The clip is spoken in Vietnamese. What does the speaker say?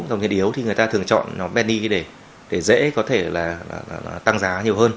dòng tiền yếu thì người ta thường chọn bendy để dễ có thể là tăng giá nhiều hơn